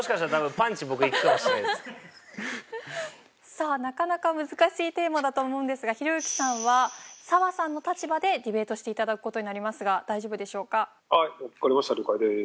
さあなかなか難しいテーマだと思うんですがひろゆきさんは「サワさん」の立場でディベートしていただく事になりますが大丈夫でしょうか？